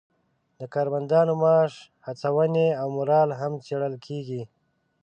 د کارمندانو معاش، هڅونې او مورال هم څیړل کیږي.